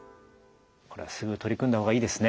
これはすぐ取り組んだ方がいいですね。